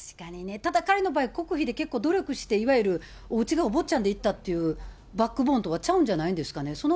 ただ彼の場合、国費で結構努力して、いわゆるおうちがお坊ちゃんでいったっていう、バックボーンは違うんじゃないですかね。